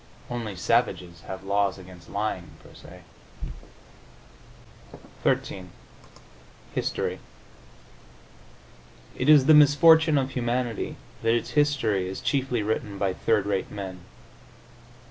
Only savages have laws against lying per se. XIII HISTORY It is the misfortune of humanity that its history is chiefly written by third rate men.